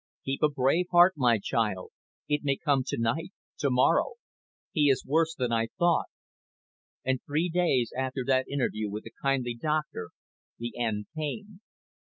"Keep a brave heart, my child. It may come to night, to morrow. He is worse than I thought." And three days after that interview with the kindly doctor the end came.